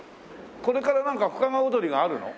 これからなんか深川おどりがあるの？